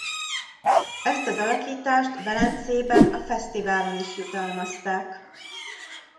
Ezt az alakítást Velencében a fesztiválon is jutalmazták.